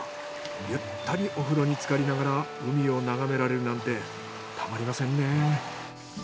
ゆったりお風呂に浸かりながら海を眺められるなんてたまりませんね。